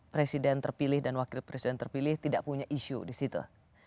presiden terpilih dan wakil presiden terpilih tidak punya isu di situ